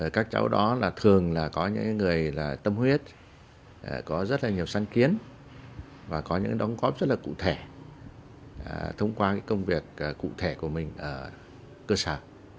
các cháu đó thường là có những người tâm huyết có rất là nhiều sáng kiến và có những đóng góp rất là cụ thể thông qua công việc cụ thể của mình ở cơ sở